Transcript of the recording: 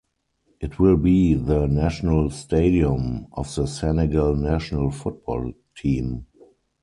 It will be the national stadium of the Senegal national football team.